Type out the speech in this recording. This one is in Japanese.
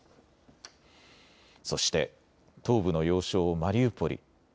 そして、東部の要衝マリウポリ。